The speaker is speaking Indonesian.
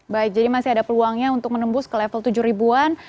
baik jadi masih ada peluangnya untuk menembus ke level tujuh ribuan